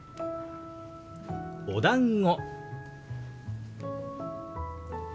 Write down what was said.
「おだんご」。